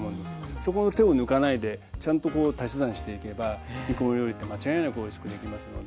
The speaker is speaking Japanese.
そこの手を抜かないでちゃんと足し算していけば煮込み料理って間違いなくおいしくできますので。